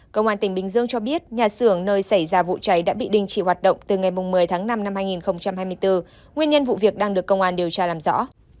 công an tỉnh bình dương cho biết nhà xưởng nơi xảy ra vụ cháy đã bị đình chỉ hoạt động từ ngày một mươi tháng năm năm hai nghìn hai mươi bốn nguyên nhân vụ việc đang được công an điều tra làm rõ